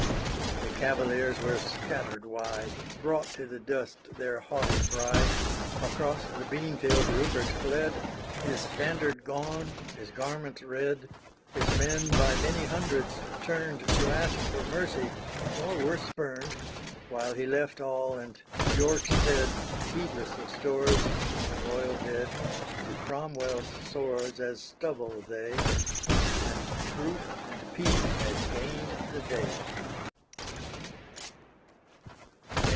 The Cavaliers were scattered wide, Brought to the dust their haughty pride; Across the beanfield Rupert fled, His standard gone, his garments red; His men by many hundreds turned To ask for mercy, nor were spurned; While he left all and to York sped, Heedless of stores, or Royal dead. To Cromwell's swords as stubble they, And Truth and Peace had gained the day.